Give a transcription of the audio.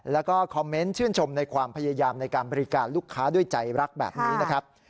แล้วก็คอมเมนต์ชื่นชมในความพยายามในการบริการลูกค้าด้วยใจรักแบบนี้นะครับ